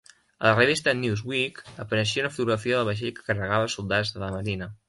A la revista "Newsweek" apareixia una fotografia del vaixell que carregava soldats de la marina.